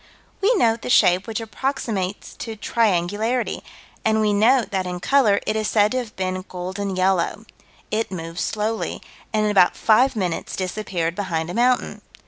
We note the shape which approximates to triangularity, and we note that in color it is said to have been golden yellow. It moved slowly, and in about five minutes disappeared behind a mountain.